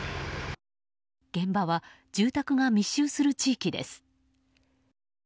現場は住宅が密集する地域です。